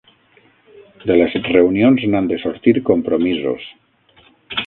De les reunions n'han de sortir compromisos.